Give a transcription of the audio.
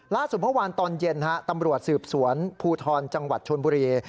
ล่าสุดเมื่อวานตอนเย็นตำรวจสืบสวนภูทรจังหวัดชนบุรี